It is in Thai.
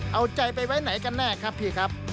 เอาใจไปไว้ไหนกันแน่ครับพี่ครับ